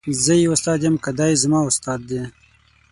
زه یې استاد یم که دای زما استاد دی.